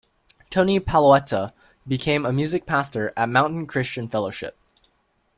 Tony Pallotta became a music pastor at Mountain Christian Fellowship.